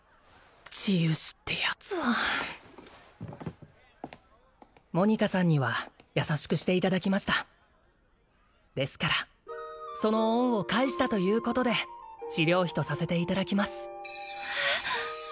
治癒士ってやつはモニカさんには優しくしていただきましたですからその恩を返したということで治療費とさせていただきますえっ？